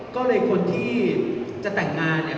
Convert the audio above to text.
ก็เลยคนที่จะแต่งงานเนี่ย